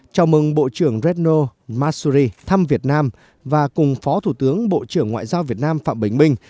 chào mừng bộ trưởng redno masuri thăm việt nam và cùng phó thủ tướng bộ trưởng ngoại giao việt nam phạm bình minh